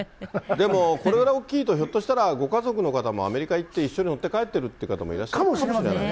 でも、これぐらい大きいと、ひょっとしたら、ご家族の方もアメリカ行って、一緒に乗って帰ってるって方もいらっしゃるかもしかもしれませんね。